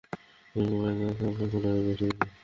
তুমি কি বাড়িতে অস্ত্রের ব্যাবসা খুলে বসলে নাকি?